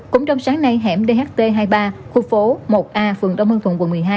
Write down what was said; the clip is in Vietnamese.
cũng trong sáng nay hẻm dht hai mươi ba khu phố một a phường đông hưng quận một mươi hai